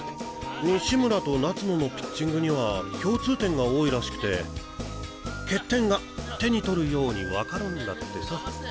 西村と夏野のピッチングには共通点が多いらしくて欠点が手に取るようにわかるんだってさ。